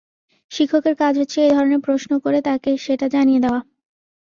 শিক্ষকের কাজ হচ্ছে, এই ধরনের প্রশ্ন করে তাকে সেটা জানিয়ে দেওয়া।